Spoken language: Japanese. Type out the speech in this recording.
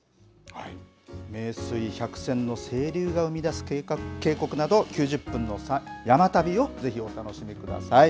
名水百選の清流が生み出す渓谷など９０分の山旅をぜひお楽しみください。